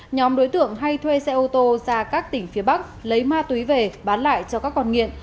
nhóm đối tượng hay thuê xe ô tô ra các tỉnh phía bắc lấy ma túy về bán lại cho các con nghiện